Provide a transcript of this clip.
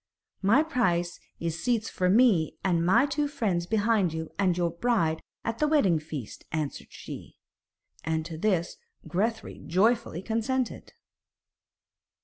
'My price is seats for me and my two friends behind you and your bride at the wedding feast,' answered she. And to this Grethari joyfully consented.